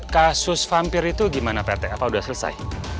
kasus vampir itu gimana pak rt apa udah selesai